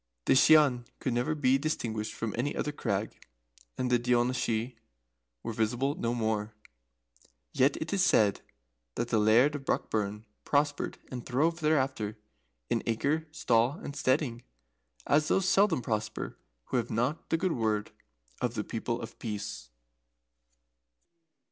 The Shian could never be distinguished from any other crag, and the Daoiné Shi were visible no more. Yet it is said that the Laird of Brockburn prospered and throve thereafter, in acre, stall, and steading, as those seldom prosper who have not the good word of the People of Peace.